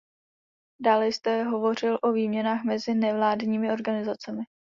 Dále jste hovořil o výměnách mezi nevládními organizacemi.